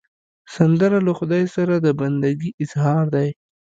سندره له خدای سره د بندګي اظهار دی